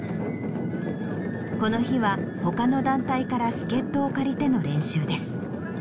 この日は他の団体から助っ人を借りての練習です。